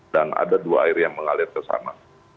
dan ada dua air yang mengalir ke sana